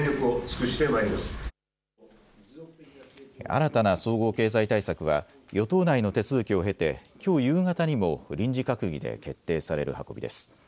新たな総合経済対策は与党内の手続きを経てきょう夕方にも臨時閣議で決定される運びです。